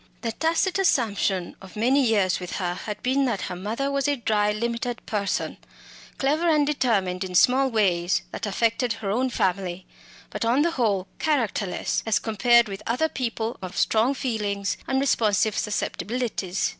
The tacit assumption of many years with her had been that her mother was a dry limited person, clever and determined in small ways, that affected her own family, but on the whole characterless as compared with other people of strong feelings and responsive susceptibilities.